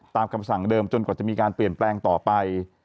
ตามคำสั่งเดิมจนกว่าจะมีการเปลี่ยนแปลงต่อไป